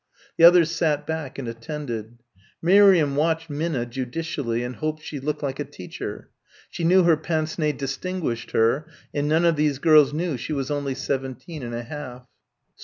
The others sat back and attended. Miriam watched Minna judicially, and hoped she looked like a teacher. She knew her pince nez disguised her and none of these girls knew she was only seventeen and a half.